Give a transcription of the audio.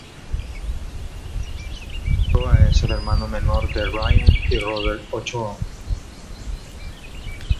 Ochoa es el hermano menor de Ryan y "Robert Ochoa".